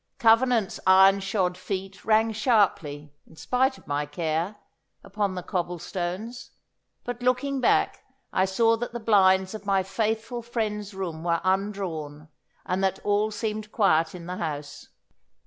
Covenant's iron shod feet rang sharply, in spite of my care, upon the cobblestones, but looking back I saw that the blinds of my faithful friend's room were undrawn, and that all seemed quiet in the house.